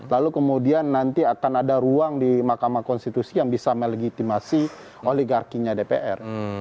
lalu kemudian nanti akan ada ruang di mahkamah konstitusi yang bisa melegitimasi oligarkinya dpr